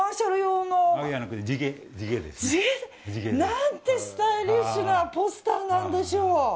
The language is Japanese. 何てスタイリッシュなポスターなんでしょう。